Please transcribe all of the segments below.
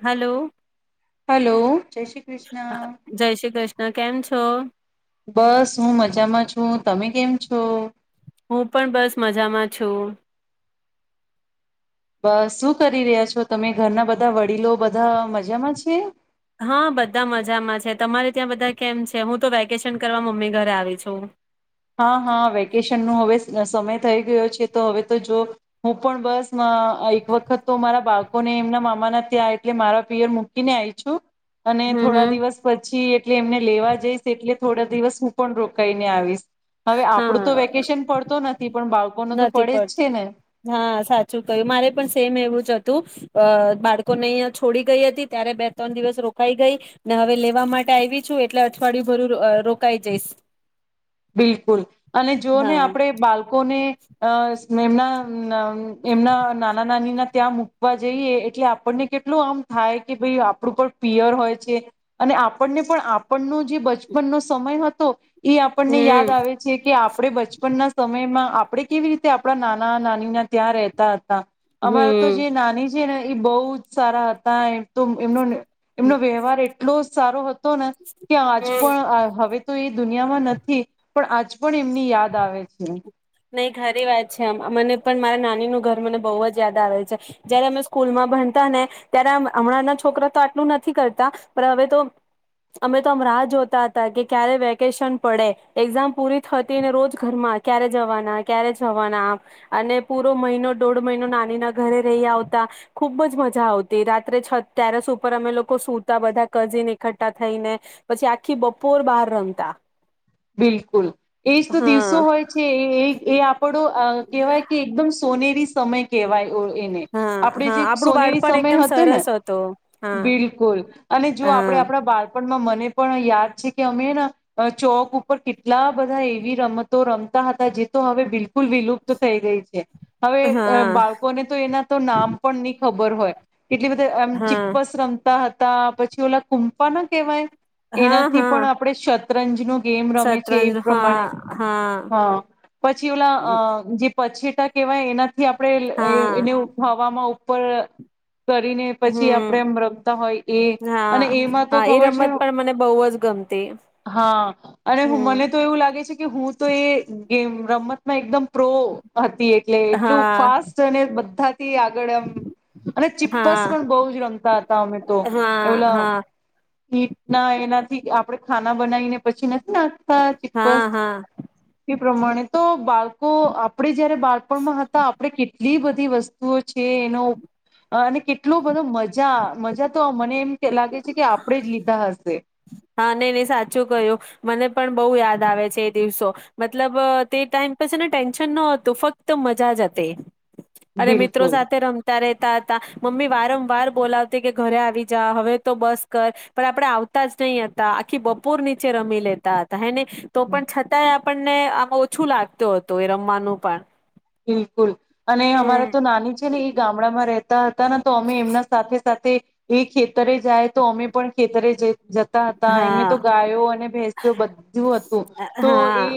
Hello. Hello જય શ્રી કૃષ્ણ. જય શ્રી કૃષ્ણ કેમ છો? બસ હું મજામાં છું તમે કેમ છો? હું પણ બસ મજામાં છું. બસ શું કરી રહ્યા છો તમે? ઘરના બધા વડીલો બધા મજામાં છે? હા બધા મજામાં છે તમારે ત્યાં બધા કેમ છે હું તો વેકેશન કરવા મમ્મી ઘરે આવી છું? હા હા વેકેશન ન હવે સમય થઈ ગયો છે તો હવે તો જો હું પણ બસ એક વખત તો મારા બાળકોને એમના મામાના ત્યાં એટલે મારા પિયર મૂકીને આવી છું. અને હમ થોડા હમ. દિવસ પછી એટલે એમને લેવા જઈશ એટલે. થોડા દિવસ હું પણ રોકાઈ ને આવીશ. હવે આપડું તો હા વેકેશન પડતું નથી પણ બા નથી પડતું હા સાચું કય્યું મારે પણ સેમ એવું. હતું બાળકોને અહીયા છોડી ગઈ હતી ત્યારે બે ત્રણ દિવસ રોકાઈ ગઈ ને હવે લેવા માટે આવી છું એટલે અઠવાડિયું ભરું રોકાઈ જઈશ. બિલકુલ અને જો ને હા. આપણે બાળકોને. કે અ. એમના ન ન એમના નાના નાની ના ત્યાં મૂકવા જઈએ એટલે આપણને કેટલું આમ થાય કે ભાઈ આપણું પણ પિયર હોય છે. અને આપણને પણ આપણનો જે બચપનનો જે સમય હતો એ આપણને યાદ હમ આવે છે. કે આપ આપણે બચપનના સમયમાં આપણે કેવી રીતે આપણા નાના નાનીના ત્યાં રહેતા. તા અમારે તો હમ. જે નાની જે ને એ બહુ જ સારા હતા એમ તો એમનો એમનો વ્યવહાર એટલો સારો હતો ને કે આજ હમ. પણ હવે તો એ દુનિયામાં નથી. પણ આજ પણ એમની યાદ આવે છે. નહી ઘરી વાત છે મને પણ મારા નાની નું ઘર મને બહુ જ યાદ આવે છે. જયારે અમે સ્કૂલ માં ભનતા ને ત્યારે આમ હમણાંના છોકરા તો આટલું નથી કરતા પણ હવે તો અમે તો અ રાહ જોતા હતા કે ક્યારે વેકેશન પડે એક્ઝામ પૂરી થતી ને રોજ ઘરમાં ક્યારે જવાના, ક્યારે જવાના, આમ અને પૂરો મહિનો દોઢ મહિનો નાની ના ઘરે રહી આવતા ખુબ જ મજા આવતી રાત્રે છ રસ ઉપર અમે લોકો સુતા બધા કઝને એકઠઠા થઈને પછી આખી બપોર બહાર રમતા. બિલકુલ એજ તો દિવસો હા હોય છે. એ એ આપ. પડો કહેવાય કે એકદમ સોનેરી સમય કહેવાય. ઓ એને હા આપણે હા જે આપણું સોનીરી બાળપણ એકદમ સમય હતો ને સરસ હા બિલકુલ અને જો હા આપણેે આપણા બાળપણ મને પણ યાદ છે કે અમે ના ચોક ઉ કેટલા બધા એવી રમતો રમતા હતા જે તો હવે બિલકુલ વિલુપ્ત થઈ ગઈ છે. હવે હા બાળકોને તો એના તો નામ પણ નહી ખબર હોય કેટલી બધા એમ હા ચિપ્પસ રમતા હતા. તા પછી ઓલા કૂમફા ના કહેવાય. હા એનાથી હા પણ આપણે શતરંજનું. રમે છે શતરંજ એ હા પ્રમાણે હા હ પછી ઓલા. કે પછીટા કેહેવાય એના. થી હા આપણેને અને ઉથાવામા હો ઉપ કરીને પછી આપણે હમ એમ રમતા હોય એ હા અને એમાં હા તો એ ખબર છે રમત પણ મને બહુ જ ગમતી હા. હા હમ મને તો એવું લાગે. કે હું તો એ ગેમ રમતમાં એકદમ. પ્રો હતી એટલે એટલું હા ફાસ્ટ અને બધા જ. થી આગળ એમ અને ચીપસ હા પણ બો જ રમતા હતા અમે તો હા ઓ લા હા ઈટ ના એનાથી. આપણે ખાના બનાવીને. નથી નાખતા ચીપ્બસ. હા હા પ્રમાણે તો બાલ કો આપણે જયારે બાળપણમાં હતા આપણે કેટ કેટલી બધી વસ્તુઓ છે એનો ઉ અને કેટલું બધો મજા મજા તો મને એમ લાગે છે કે આપણેે જ લીધા હશે. હા ને ને સાચું કહ્યું, મને પણ બહુ યાદ આવે છે એ દિવસો, મતલબ અહ તે ટાઈમ પસેને ટેન્શન ન હતું ફક્ત મજા જ હતી. અને મિત્રો બિલકુલ સાથે રમતા રે તા તા, મમ્મી વારંવાર બોલાવતી કે ઘરે આવી જા હવે તો બસ કર પણ આપડે આવતા જ નહી હતા આખી બપોર નીચે રમી લેતા હતા હે ને. તો પણ છતાંય આપ આપણને આમાં ઓછું લાગતું હતું એ રમવાનું પણ. બિલકુલ અને હમ અમારા તો નાની છે ને એ ગામડામાં રહેત તા હતા તો અમે એમના સાથે સાથે એ ખેત તરે જાય તો અમે પણ ખેતરે જ જતા હતા એને હા તો ગાયો અને ભેસો બધું હતું, તો હા એ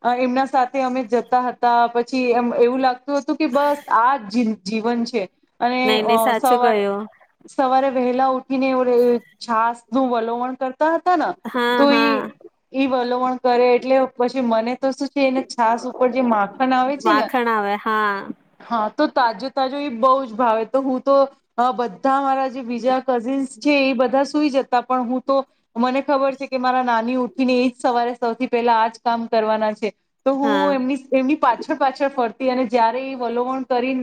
અ એમના સાથે અમે જતા હતા પછી કી એમ એવું લાગતું હતું કે બસ આ જી જીવન છે. અને નઈ નઈ અ સાચું સવારે કયું સવારે વેલા ઉઠીને વર છાસ નું વલોવણ કર તા હતા ન હા તો હા ઈ વલ પણ કરે એટલે પછી મને તો શું છે એને છાસ ઉપર જે માખણ આવે છે ને માખણ આવે હા. હા તો તાજો તાજો એ બહુ જ ભાવે તો હું તો બ. બ મારા જે બીજા કઝિન્સ છે એ બધા સુઈ જતા. પણ હું તો. મને ખબર છે કે મારા નાની. ઉઠીને એજ સવારે સૌથી પહેલા આજ કામ કરવાના છે. તો હા હું એમની એમની પાછ. ફરતી અને જયારે એ વલોવણ કરી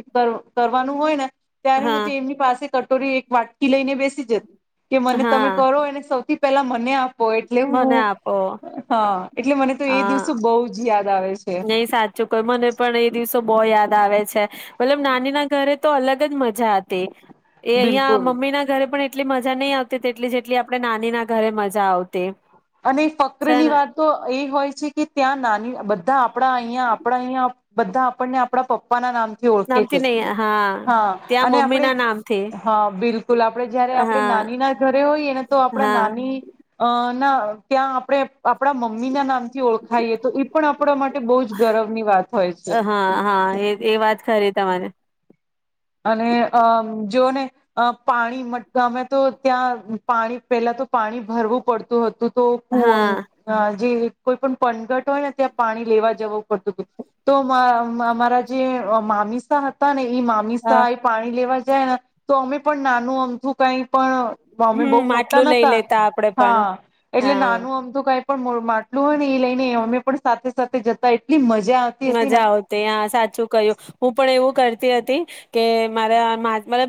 કરવાનું હોય ને. ત્યારે હું હા તે એમની પાસે. કટોરી એક વાટકી લઈને બેસી જતી. કે મને તમે હા કરો એને સૌથી. પેલા. ને આપો એટલે મને હું આપો હા. એટલે મને તો એ હા દિવસો બહુ જ યાદ આવે છે. નહી સાચું કયું મને પણ એ દિવસો બહુ યાદ આવે છે મતલબ નાની ના ઘરે તો અલગ જ મજા હતી. એ અહં બિલકુલ મમ્મી ના ઘરે પણ. એટલી મજા નહ આવતી તેટલી જેટલી આપણેે નાની ના ઘરે મજા આવતી. અને ફક્ર છે ની ને વાત તો એ હોય. કે ત્યાં નાની બધા આપ. આપણા અહીયા આપણા અહીયા. બધા આપણને આપણા પપ્પા ના નામ. ઓળખે છે નામથી નહી હા ત્યાં અને આપ મમ્મી ના નામથી હા બિલકુલ આપણે જયારે આપણે હા નાની ના ઘરે હોઈએને તો આપણા હા નાની. ના. ત્યાં આપણે આપડા મમ્મી ના નામ. ઓળખાઈએ તો એ પણ આપણા માટે બહ જ ગર્વની વાત હોય છે. હા હા એ એ વાત ખરી તમારે અને અ જો ને પાણી મટ ગમે તો ત્યાં પાણી પેલા તો પાણી ભરવું પડતું હતું. તો હા પ જે. કોઈ પણ પંગટ હોય ને ત્યાં પાણી લેવા જવું પડતું હતું તો અમારા જે મામીસા હતા ને ઈ. સ હા એ પાણી લેવા. જ ને તો અમે પણ નાનું અમથું કઈ પણ. મમ્મી હમ બઉુ મોટા માટલું લઈ નતા લેતા આપડે પણ હા એટલે હા નાનું આમ તોું કઈ. પણ માટલું હોય ને એ લઈને અમે પણ સાથે સાથે જતા એટલી મજા. આવતી હતી ને મજા આવતી હ્યા સાચું ક્યું હું પણ એવું. કરતી હતી કે મારા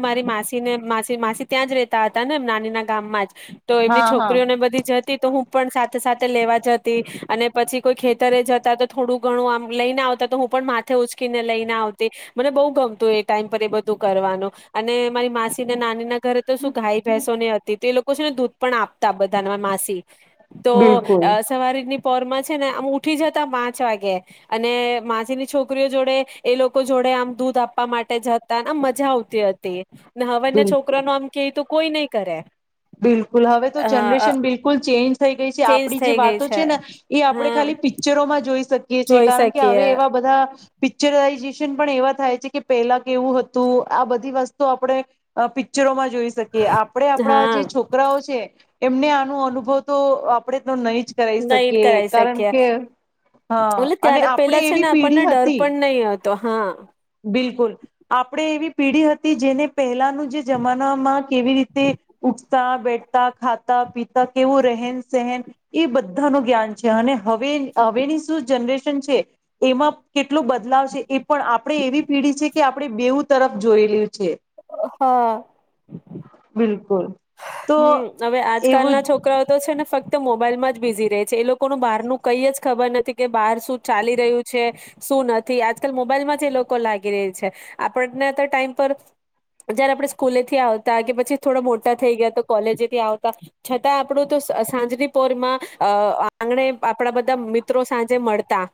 મારી માસી ને મા માસી ત્યાં જ રેતા હતા ને નાનીના ગામમાં જ. તો એમની હા હા છોકરીઓને બધી જ હતી તો હું પણ સા ત સાથે લેવા જતી અને પછી કોઈ ખેતરે જતા તો થોડું ઘણું આમ લઈને આવતા તો હું પણ માથે ઉચકીને લઈને આવતી. મને બહુ ગમતું એ ટાઈમ પર એ બધું કરવાનું અને મારી માસી ને નાની ના ઘરે તો શું ગાઈ ભેસો નહી હતી તે લોક કો છે ને દૂધ પણ આપતા બધા માસી તો બિલકુલ અ સવારીની પોરમાં છે ને અમ ઉઠી જતા પાંચ વાગે. અને માસીની છોકરીઓ જોડે એ લોકો જોડે આમ દૂધ આપવા માટે જ હતા ને આમ મજા આવતી હતી. ને હવે ના બિલકુલ છોકરા નું આમ કે તું કોઈ નહી કરે. બિલકુલ હવે તો અ જનરેશન બિલકુલ ચેન્જ થઈ ગઈ છે. ચેન્જ આપણી જે થઈ ગઈ વાતો છે ને એ આપડણે હા ખાલી પિક્ચરોમાં જોઈ શક. કે જે જોઈ કારણ કે શકીએ હવે એવા બધા પિક્ચર [unintelligible] એવા થાય છે કે પેલા કેવું હતું આ બધી વસ્તુ અહ આપણે પિક્ચરોમાં જોઈ શકીએ, આપડે આપણા હા જે છોકરાઓ છે એમને આનો અનુભવ તો આ આપણે તો નહી જ કરાઈ નહી શકીએ કરાઈ કારણ શકીએ કે હા ઓલે અને ત્યારે આપણેે એવી પેઢી હતી તો હા. બિલકુલ આપણેે એવી પેઢી હતી જેને પહેલાનું જે જમાનામાં કેવી રીતે ઉઠતા, બેઠતા, ખાતા, પીતા, કેવો રહેન સહેન એ બધાનું જ્ઞાન છે અને હવે, હવેની શું જનરેશન શન છે એમાં કેટલો બદલાવ છે, એ પણ આપ આપણે એવી પીઢી છે કે આપણે બેઉ તરફ જોયેલું છે. હા. બિલકુલ તો હમ્મ, હવે આજકાલ એવું ના છોકરાઓ તો છે ને ફક્ત મોબાઈલમાં જ બીઝી રહે છે. એ લોકોનું બહાર નું કંઈ જ ખબર નથી કે બહાર શું ચાલી રહ્યું છે, શું નથી, આજકાલ મોબાઈલ માં જ એ લોકો લાગી રહે છે. આપણને તો ટાઈમ પર જયારે આપણેે સ્કૂલેથી આવતા કે પછી થોડો મો ટા થઈ ગયા તો કોલેજથી આવતા, છતાં આપણું તો સા સાંજની પોરમાં અહ આંગણે આપણા બધા મિત્રો સાંજે મળતા,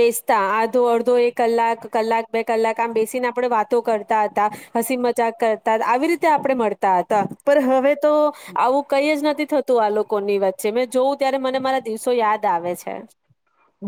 બેસતા, આધો અડધો, એક કલાક, કલાક, બે કલાક આમ બેસીને આપણે વાતો કરતા હતા, હસી મજાક કરતા તો આવી રીતે આપણે મળતા હતા. પર હા હવે તો આવું કંઈ જ નથી થતું આ લોકોની વચ્ચે, મેં જોઉં ત્યારે મને મારા દિવસો યાદ આવે છે.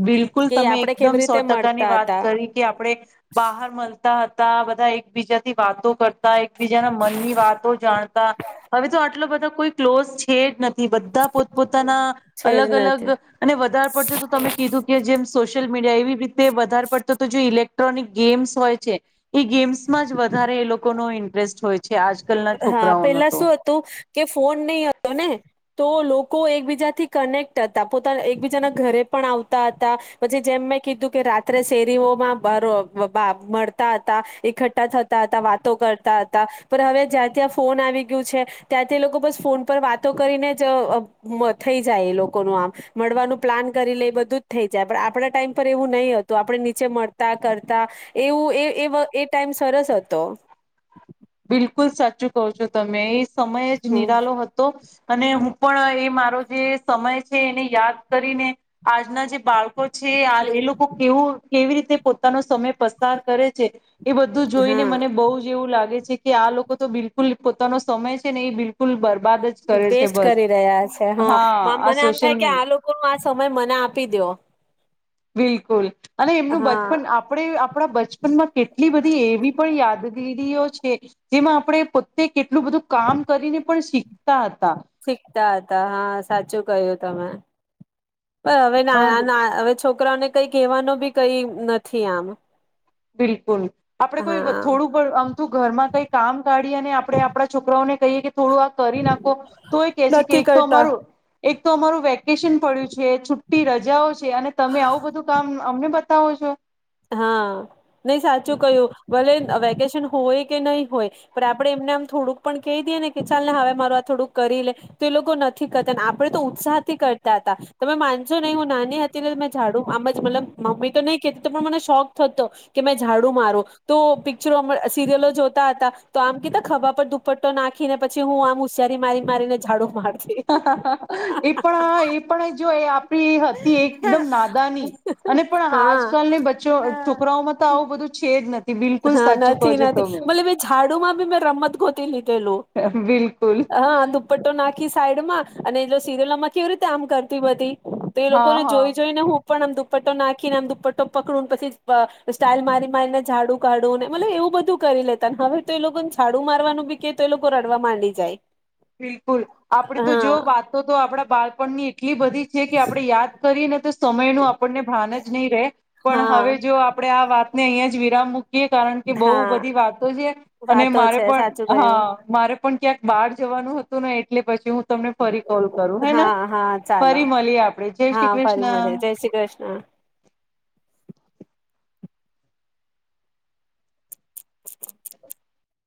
બિલકુલ કે તમે આપણે એકદમ કેવી સો રીતે ટકા ની મળતા વાત હતા કરી કે આપણેે બહાર મળતા હતા બ બધા એકબીજા થી વાતો કર તા એકબીજાના મનની વાતો જાણતા હવે તો આટલો બધો. કોઈ ક્લોઝ છે જ નથી. કે બધા પોતપોતાના છે અલગ જ અલગ નથી અને વધારે પડતું તો તમે. કે જેમ સોશિયલ મીડિયા એવી રીતે વધારે પડતો તો જે ઇલેક્ટ્રોનિક ગેમ્સ હોય છે એ ગેમ્સમાં જ વધારે એ લોકોનો ઇન્ટરેસ્ટ હોય છે. આજકાલના હા છોકરાઓનો પેલા તો શું હતું કે ફોન નહી હતો ને. તો લોકો એકબીજાથી કનેક્ટ હતા પોતાના એકબીજાના ઘરે પણ આવતા હતા પછી જેમ મેં કીધું કે રાત્રે શેરીઓમાં બ મળતા હતા એકઠ્ઠા થતા હતા વાતો કરતા હતા પણ હવે. જ્યાં ત્યાં ફોન આવી ગયું છે ત્યાંથી લોકો બસ ફોન પર વાતો કરીને જ થઈ જાય એ લોકોનું આમ મળવાનું પ્લાન કરી લે બધું જ થઈ જાય પણ આપણા ટાઈમ પર એવું નહી હતું આપણે નીચે મળતા કરતા એવું એ એ ટાઈમ સરસ હતો. બિલકુલ સાચું કહ છો તમે એ સમય જ હમ નિરાલો હતો. અને હું પણ એ મારો જે સમય છે એને યાદ કરીને આજના જે બાળકો. છે એ લોકો કેવું. કેવી રીતે પોતાનો સમય પસાર કરે છે. એ બધું જોઈને હા મને બહુ જ એવું લાગે છે. કે આ લોકો તો બિલકુલ પોતાનો સમય છે ને એ બિલકુલ બ. બેસ્ટ કરી રહ્યા છે હા આ મને આમ સોશિયલ થાય કે મીડિયા આ લોકો ન આ સમય મને આપી દો. બિલ બિલકુલ અને એમનું હા બચપન આપણે આપણા બચપનમાં કેટલી બધી એવી પણ યાદગીરીઓ છે. કે. જેમાં આપણે પોતે કેટલું બધું કામ કરીને પણ શીખતા હતા. શીખતા હતા હા સાચું કહ્યું તમે. પણ હવે ને અ આ આ હવે છોક છોકરાને કઈ કહેવાનો ભી કઈ નથી આમ. બિલકુલ આપડે કોઈ હા થોડું આમતું ઘરમાં કઈ કામ કાઢીને આપણે આપણા છોકરાઓને. કઈ. થોડું આ કરી નાખો તો એ કેહે છે કે નથી એક તો કરતા અમારું એક. તો અમારું વેકેશન પડ્યું છે છુટ્ટી રજાઓ છે અને તમે આવું બધું કામ અમને બતાવો છો. હા. નહી સાચું કયું ભલે વેકેશન. હોય કે નહીં હોય પણ આપડે એમને આમ થોડુંક પણ કહી દઈએ ને કે ચાલ ને હવે મારું આ થોડુંક કરી લે તો એ લોકો નથી કરતા આપડે તો ઉત્સાહ થી કરતા હતા તમે માનશો નહી હું નાની હતી ને મેં જાડું આમ જ મતલબ મમ્મી તો નહી કેતી. તો પણ મને શોખ થતો કે મેં ઝાડુ મારો તો પિક્ચરો સિરિયલો જોતા હતા તો આમ કતા ખભા પર દુપટ્ટો નાખી ને પછી હું આમ હુંશયારી મારી મારીને ઝાડુ માર એ પણ એ પણ જો. પી હતી એકદમ નાદાની અને પણ હા આજકાલની બચ્ચો છોકરાઓમાં તો આવું બધું છે જ નથ. હા, નથી, નથી મતલબ એ ઝાડુ માં બી મેં રમત ગોતી લીધેલું બિલકુલ હા દુપટ્ટો નાખી સાઈડ માં અને સિરિલમાં કેવી રીતે આમ કરતી બધી. તો એ લોકો હા ને હા જોઈ જોઈ ને હું પણ આમ દુપટ્ટો નાખીને આમ દુપટ્ટો પકડું પછી સ્ટાઇલ મારી મારીને ઝાડું કાઢવુંને મતલબ એવું બધું કરી લેતા હવે તો એ લોકો ને છાડું મારવાનું બી કે તો એ લોકો રડવા માંડી જાય. બિલકુલ આપે તો જો હા વાતો તો આપડા બાળપણની એટલી બધી છે કે આપડણે યાદ કરીને તો સમય નું આપણને ભાન જ નહીં રહે. પણ હા હવે જો આપડણે આ વાત નહીં જવીરા મુખ કિયે કારણ કે બહ હા બધી વાતો છે અને વાતો મારે છે સાચું પણ હા કયું મારે પણ ક્યાંક બાર જવાનું હતું ને એટલે પછી હું તમને ફરી કોલ કરું હેના હા હા ચાલો ફરી મળીએ આપડે જય હા શ્રી ફરી કૃષ્ણ. મળે જય શ્રી કૃષ્ણ.